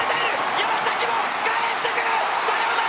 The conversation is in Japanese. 山崎も帰ってくる！